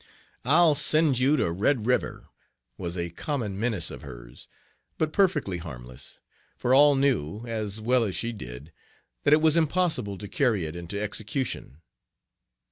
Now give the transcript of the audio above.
"I'll send you to Red River," was a common menace of hers, but perfectly harmless, for all knew, as well as she did, that it was impossible to carry it into execution.